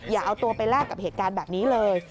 อย่าเอาตัวไปแลกกับเหตุการณ์แบบนี้เลย